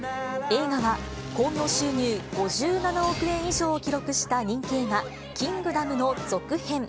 映画は、興行収入５７億円以上を記録した人気映画、キングダムの続編。